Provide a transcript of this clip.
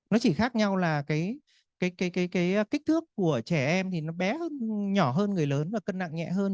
nó chỉ khác nhau là cái kích thước của trẻ em thì nó bé hơn nhỏ hơn người lớn và cân nặng nhẹ hơn